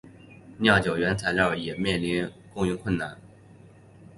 酿酒原材料也面临供应困难。